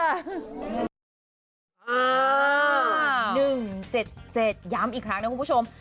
๑๗๗ย้ำอีกครั้งนะคุณผู้ชม